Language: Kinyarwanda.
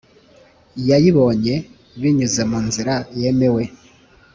yayibonye binyuze mu nzira yemewe